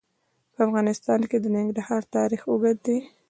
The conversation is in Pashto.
په افغانستان کې د ننګرهار تاریخ اوږد دی.